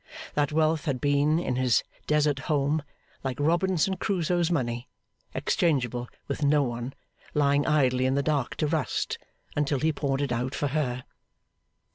That wealth had been, in his desert home, like Robinson Crusoe's money; exchangeable with no one, lying idle in the dark to rust, until he poured it out for her.